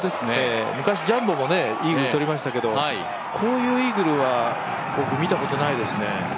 昔、ジャンボもイーグルとりましたけどこういうイーグルは僕、見たことないですね。